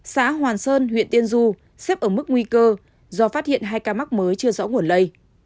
xã hoàn sơn huyện tiên du xếp ở mức nguy cơ do phát hiện hai ca mắc mới chưa rõ nguồn lây